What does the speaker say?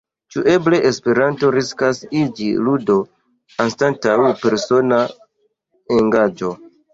Ĉu eble Esperanto riskas iĝi ludo anstataŭ persona engaĝo?